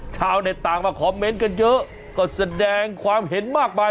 ชาวเน็ตต่างมาคอมเมนต์กันเยอะก็แสดงความเห็นมากมาย